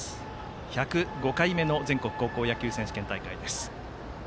１０５回目の全国高校野球選手権大会です。